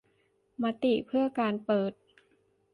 มติเพื่อการเปิด